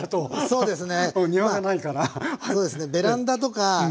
そうですね。